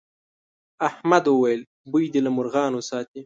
احمد وويل: بوی دې له مرغانو ساتي.